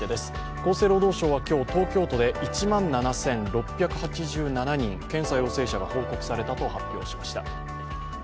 厚生労働省は今日、東京都で１万７６８７人検査陽性者が報告されたと発表しました。